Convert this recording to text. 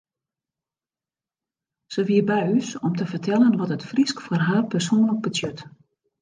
Se wie by ús om te fertellen wat it Frysk foar har persoanlik betsjut.